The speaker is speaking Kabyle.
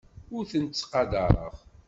Ur tent-ttqadareɣ.